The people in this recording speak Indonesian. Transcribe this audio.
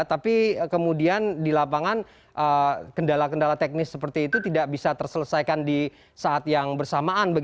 tapi kemudian di lapangan kendala kendala teknis seperti itu tidak bisa terselesaikan di saat yang bersamaan